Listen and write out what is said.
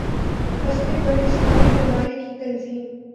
مسئلے پر اسلامی ممالک کی تنظیم